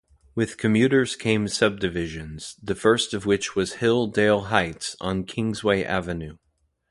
With commuters came subdivisions, the first of which was Hill-Dale Heights on Kingsway Avenue.